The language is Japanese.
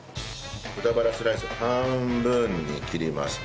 豚バラスライスを半分に切ります。